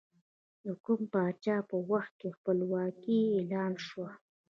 د کوم پاچا په وخت کې خپلواکي اعلان شوه؟